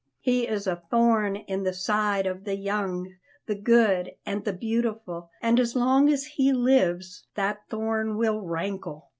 He is a thorn in the side of the young, the good, and the beautiful, and as long as he lives that thorn will rankle."